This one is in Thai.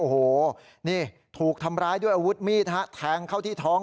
โอ้โหนี่ถูกทำร้ายด้วยอาวุธมีดฮะแทงเข้าที่ท้อง